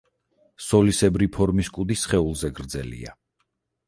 სოლისებრი ფორმის კუდი სხეულზე გრძელია.